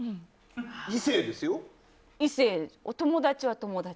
異性、お友達は友達。